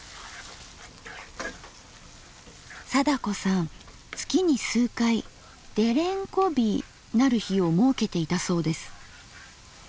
貞子さん月に数回「デレンコ日」なる日を設けていたそうです。